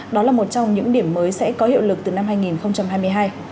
đó là một trong những điểm mới sẽ có hiệu lực từ năm hai nghìn hai mươi hai